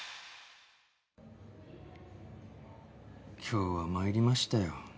今日は参りましたよ。